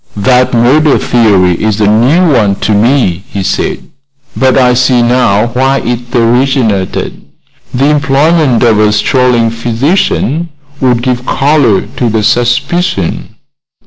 "That murder theory is a new one to me," he said; "but I see now why it originated. The employment of a strolling physician would give color to the suspicion."